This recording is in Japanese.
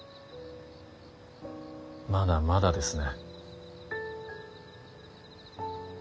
まだまだですね。